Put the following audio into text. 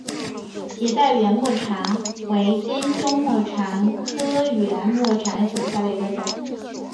斜带圆沫蝉为尖胸沫蝉科圆沫蝉属下的一个种。